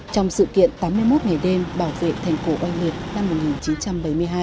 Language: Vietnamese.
trong sự kiện tám mươi một ngày đêm bảo vệ thành cổ oanh liệt năm một nghìn chín trăm bảy mươi hai